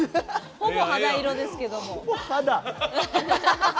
ほぼ肌色ですけども。